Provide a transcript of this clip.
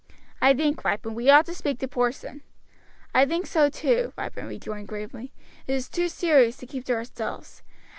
"I think, Ripon, we ought to speak to Porson." "I think so too," Ripon rejoined gravely; "it is too serious to keep to ourselves.